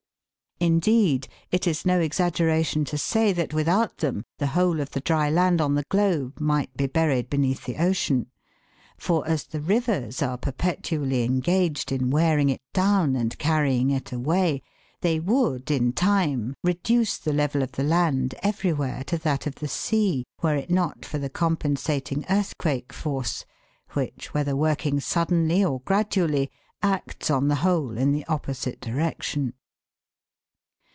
Indeed, it is no exaggeration to say that without them the whole of the dry land on the 86 THE WORLDS LUMBER ROOM. globe might be buried beneath the ocean ; for as the rivers are perpetually engaged in wearing it down and carrying it away, they would in time reduce the level of the land everywhere to that of the sea, were it not for the compen sating earthquake force, which whether working suddenly or gradually, acts on the whole in the opposite direction.